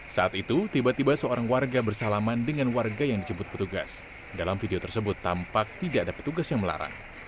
saat itu tiba tiba seorang warga bersalaman dengan warga yang dijemput petugas dalam video tersebut tampak tidak ada petugas yang melarang